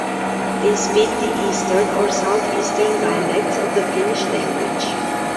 They speak the eastern or south-eastern dialects of the Finnish language.